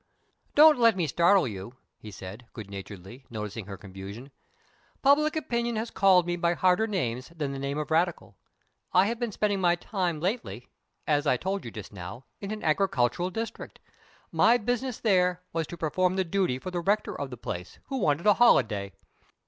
"Don't let me startle you," he said, good naturedly, noticing her confusion. "Public opinion has called me by harder names than the name of 'Radical.' I have been spending my time lately as I told you just now in an agricultural district. My business there was to perform the duty for the rector of the place, who wanted a holiday.